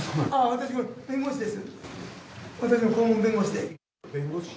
私の弁護士です。